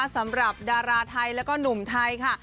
สำหรับดาราไทยแล้วก็หนุ่มไทยค่ะ